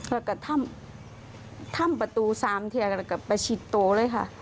แล้วก็ถ้ำประตู๓ทีแล้วก็ประชิดโตเลยค่ะ